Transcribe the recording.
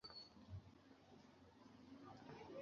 যাইহোক, বাদ দিয়েন না এটা।